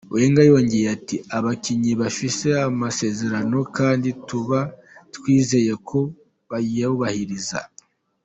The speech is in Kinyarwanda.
Wenger yongeye ati: "Abakinyi bafise amasezerano kandi tuba twizeye ko bayubahiriza.